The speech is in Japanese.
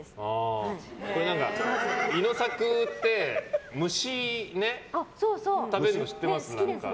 イノサクって虫、食べるの知ってます？